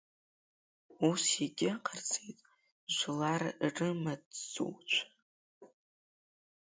Ус егьыҟарҵеит жәлар рымаҵзуҩцәа.